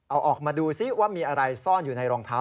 เอาออกมาดูซิว่ามีอะไรซ่อนอยู่ในรองเท้า